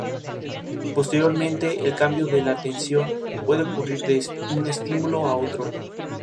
El antiguo libro de Nut cubre el tema de los decanos.